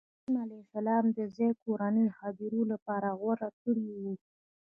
ابراهیم علیه السلام دا ځای د کورنۍ هدیرې لپاره غوره کړی و.